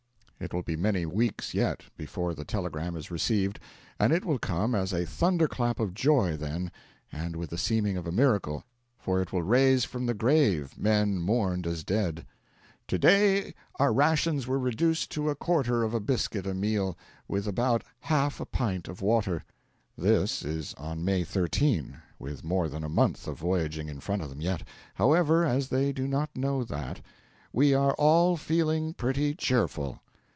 It will be many weeks yet before the telegram is received, and it will come as a thunderclap of joy then, and with the seeming of a miracle, for it will raise from the grave men mourned as dead. 'To day our rations were reduced to a quarter of a biscuit a meal, with about half a pint of water.' This is on May 13, with more than a month of voyaging in front of them yet! However, as they do not know that, 'we are all feeling pretty cheerful.'